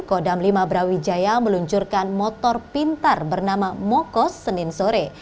kodam lima brawijaya meluncurkan motor pintar bernama mokos senin sore